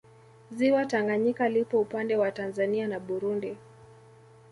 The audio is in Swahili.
Ziwa Tanganyika lipo upande wa Tanzania na Burundi